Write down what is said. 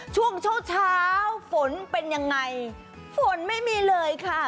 ช่วงเช้าเช้าฝนเป็นยังไงฝนไม่มีเลยค่ะ